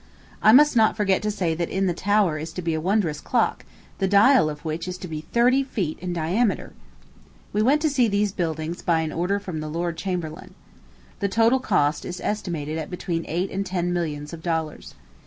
I must not forget to say that in the tower is to be a wondrous clock, the dial of which is to be thirty feet in diameter! We went to see these buildings by an order from the lord chamberlain. The total cost is estimated at between eight and ten millions of dollars.